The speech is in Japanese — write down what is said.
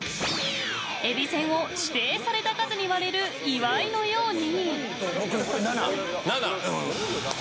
えびせんを指定された数に割れる岩井のように。